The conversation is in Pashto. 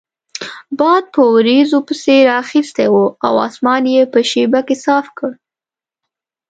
باد په وریځو پسې رااخیستی وو او اسمان یې په شیبه کې صاف کړ.